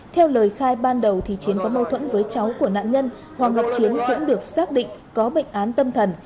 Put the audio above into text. theo lời khai ban đầu chiến có mâu thuẫn với cháu của nạn nhân hoàng ngọc chiến cũng được xác định có bệnh án tâm thần